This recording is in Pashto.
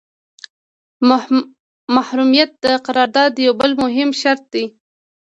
محرمیت د قرارداد یو بل مهم شرط دی.